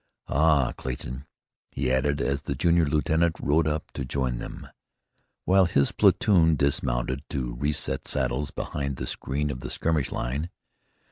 Ah, Clayton," he added, as the junior lieutenant rode up to join them, while his platoon dismounted to reset saddles behind the screen of the skirmish line.